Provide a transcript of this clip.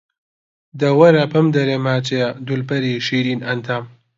دە وەرە بمدەرێ ماچێ، دولبەری شیرین ئەندام